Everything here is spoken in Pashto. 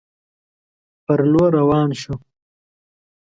پر لور روان شو.